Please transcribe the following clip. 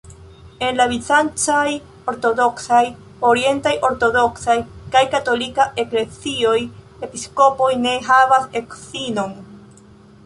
En la bizancaj ortodoksaj, orientaj ortodoksaj kaj katolika eklezioj, episkopoj ne havas edzinon.